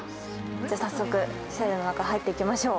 じゃあ早速社殿の中入っていきましょう。